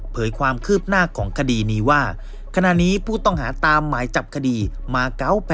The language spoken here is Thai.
ความคืบหน้าของคดีนี้ว่าขณะนี้ผู้ต้องหาตามหมายจับคดีมา๙๘